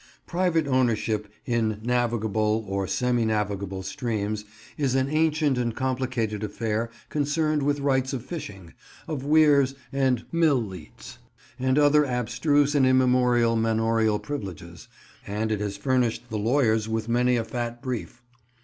Private ownership in navigable or semi navigable streams is an ancient and complicated affair concerned with rights of fishing, of weirs and mill leets, and other abstruse and immemorial manorial privileges, and it has furnished the lawyers with many a fat brief.